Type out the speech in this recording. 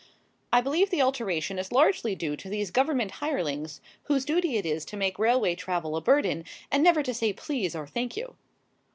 I believe the alteration is largely due to these Government hirelings whose duty it is to make railway travel a burden and never to say "Please" or "Thank you."